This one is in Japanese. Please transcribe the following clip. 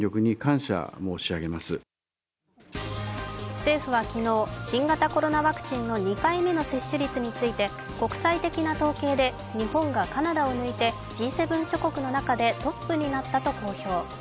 政府は昨日、新型コロナワクチンの２回目の接種率について国際的な統計で日本がカナダを抜いてＧ７諸国の中でトップになったと公表。